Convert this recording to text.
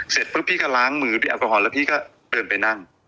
เสร็จปุ๊บพี่ก็ล้างมือด้วยแอลกอฮอลแล้วพี่ก็เดินไปนั่ง